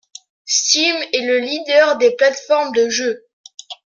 Steam est le leader des plateformes de jeux.